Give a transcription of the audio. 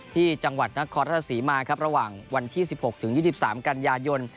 ที่จังหวัดนครราชศรีมาครับระหว่างวันที่๑๖ถึง๒๓กันยายน